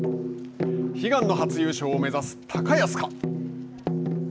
悲願の初優勝を目指す高安か。